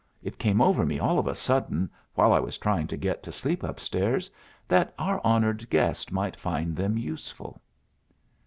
It came over me all of a sudden, while I was trying to get to sleep upstairs, that our honored guest might find them useful."